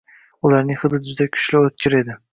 Ularning hidi juda kuchli va o‘tkir edi